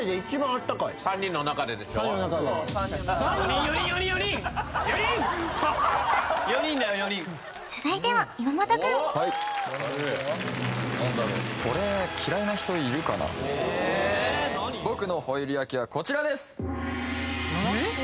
４人だよ４人これ嫌いな人いるかな僕のホイル焼きはこちらです・えっ？